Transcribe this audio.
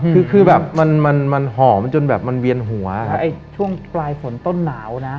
คือคือแบบมันมันหอมจนแบบมันเวียนหัวถ้าช่วงปลายฝนต้นหนาวนะ